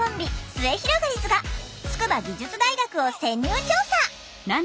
すゑひろがりずが筑波技術大学を潜入調査。